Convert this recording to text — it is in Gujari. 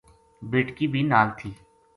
بیٹکی بھی نال تھی۔